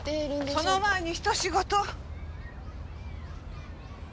その前にひと仕事。